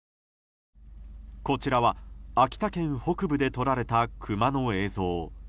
こちらは秋田県北部で撮られたクマの映像。